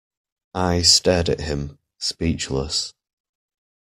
I stared at him, speechless.